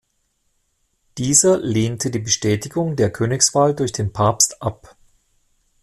Dieser lehnte die Bestätigung der Königswahl durch den Papst ab.